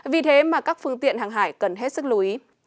vì thế mà các phương tiện hàng hải cần hết sức lưu ý